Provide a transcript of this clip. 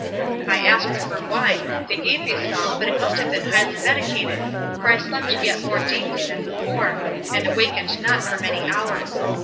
I asked for wine—they gave me some, but it must have been highly medicated, for I slept yet more deeply than before, and wakened not for many hours.